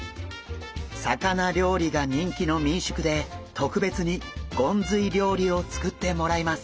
魚料理が人気の民宿で特別にゴンズイ料理を作ってもらいます。